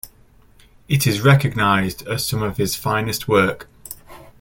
It is recognised as some of his finest work.